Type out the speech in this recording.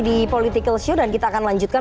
di political show dan kita akan lanjutkan